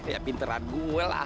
ya pinteran gue lah